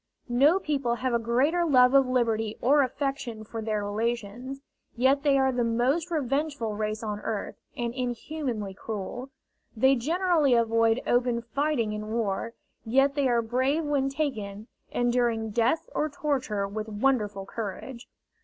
No people have a greater love of liberty or affection for their relations, yet they are the most revengeful race on earth, and inhumanly cruel. They generally avoid open fighting in war, yet they are brave when taken, enduring death or torture with wonderful courage.